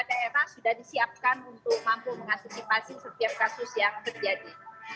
kita siapkan untuk mampu mengaktifasi setiap kasus yang terjadi